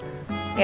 ya udah sih